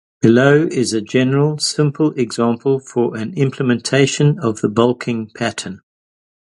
Below is a general, simple example for an implementation of the balking pattern.